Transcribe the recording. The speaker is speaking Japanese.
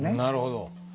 なるほど。